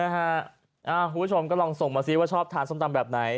คุณผู้ชมก็ลองส่งมาซิว่าชอบทานส้มตำแบบไหน